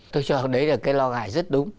tôi cho đấy là cái lo ngại rất đúng